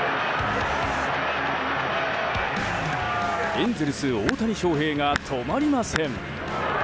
エンゼルス、大谷翔平が止まりません！